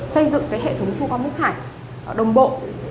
xây dựng hệ thống thu gom nước thải đồng bộ